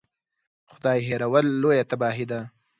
خدای هېرول لویه تباهي ده.